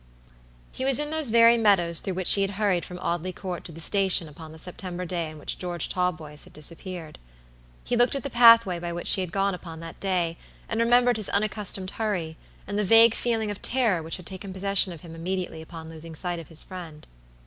He was in those very meadows through which he had hurried from Audley Court to the station upon the September day in which George Talboys had disappeared. He looked at the pathway by which he had gone upon that day, and remembered his unaccustomed hurry, and the vague feeling of terror which had taken possession of him immediately upon losing sight of his friend.